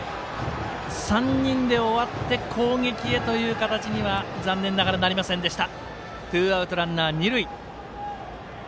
３人で終わって攻撃へという形には残念ながらなりませんでした。